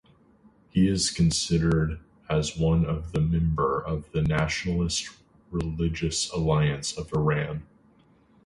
He is considered as one of the member of the Nationalist-Religious alliance of Iran.